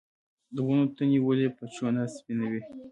د ونو تنې ولې په چونه سپینوي؟